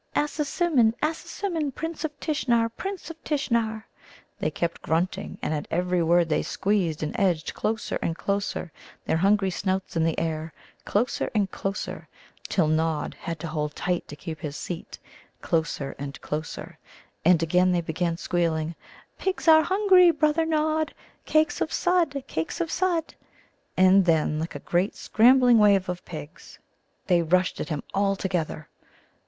"Assasimmon, Assasimmon, Prince of Tishnar, Prince of Tishnar," they kept grunting, and at every word they squeezed and edged closer and closer, their hungry snouts in air closer and closer, till Nod had to hold tight to keep his seat; closer and closer, and again they began squealing: "Pigs are hungry, brother Nod. Cakes of Sudd, cakes of Sudd!" And then, like a great scrambling wave of pigs, they rushed at him all together.